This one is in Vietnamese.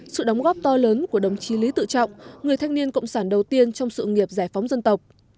sự đóng góp to lớn của đồng chí lý tự trọng người thanh niên cộng sản đầu tiên trong sự nghiệp giải phóng dân tộc